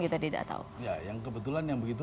kita tidak tahu ya yang kebetulan yang begitu